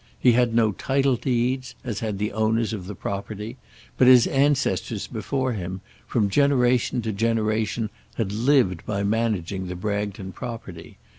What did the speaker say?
He had no title deeds, as had the owners of the property; but his ancestors before him, from generation to generation, had lived by managing the Bragton property.